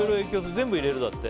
全部入れるだって。